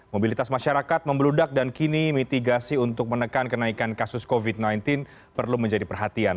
mobilitas masyarakat membeludak dan kini mitigasi untuk menekan kenaikan kasus covid sembilan belas perlu menjadi perhatian